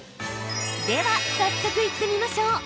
では早速いってみましょう。